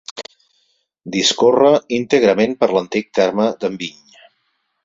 Discorre íntegrament per l'antic terme d'Enviny.